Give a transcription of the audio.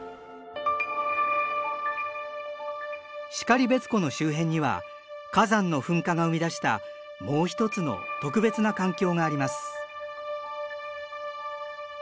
然別湖の周辺には火山の噴火が生み出したもう一つの特別な環境があります。